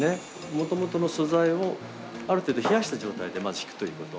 もともとの素材をある程度冷やした状態でまずひくということ。